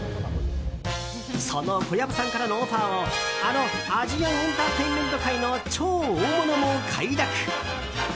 その小籔さんからのオファーをあのアジアンエンターテインメント界の超大物も快諾！